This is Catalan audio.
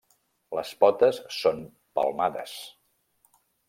Les potes són palmades.